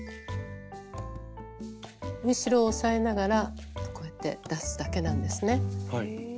後ろを押さえながらこうやって出すだけなんですね。